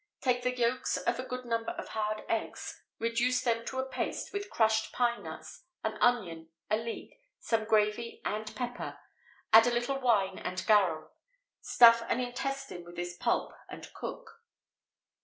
_ Take the yolks of a good number of hard eggs; reduce them to a paste with crushed pine nuts, an onion, a leek, some gravy, and pepper; add a little wine and garum. Stuff an intestine with this pulp, and cook.